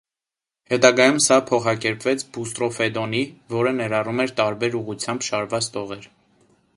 Հետագայում սա փոխակերպվեց՝ «բուստրոֆեդոնի», որը ներառում էր տարբեր ուղղությամբ շարված տողեր։